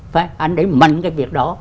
phải anh đẩy mạnh cái việc đó